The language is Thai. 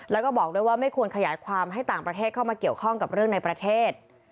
แล้วก็บอกด้วยว่าไม่ควรขยายความให้ต่างประเทศเข้ามาเกี่ยวข้องกับเรื่องในประเทศ